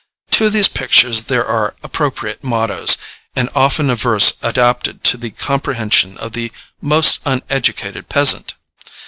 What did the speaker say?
To these pictures there are appropriate mottoes, and often a verse adapted to the comprehension of the most uneducated peasant.